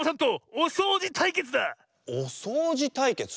おそうじたいけつ？